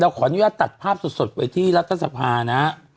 ขออนุญาตตัดภาพสดไปที่รัฐสภานะ